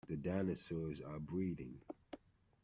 The dinosaurs are breeding!